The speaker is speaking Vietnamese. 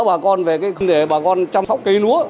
bà con để bà con chăm sóc cây lúa